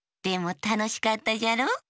でもたのしかったじゃろ？